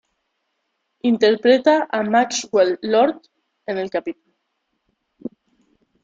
Interpreta a Maxwell Lord en el capítulo.